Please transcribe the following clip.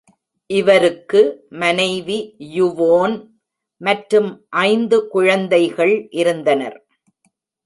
இவருக்கு மனைவி யுவோன் மற்றும் ஐந்து குழந்தைகள் இருந்தனர்.